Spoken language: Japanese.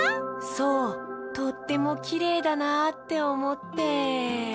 そうとってもきれいだなっておもって。